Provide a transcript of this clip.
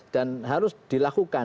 dan harus dilakukan